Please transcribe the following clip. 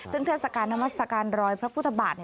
ซึ่งเทศกาลนมัศกาลรอยพระพุทธบาท